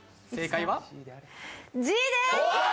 Ｇです！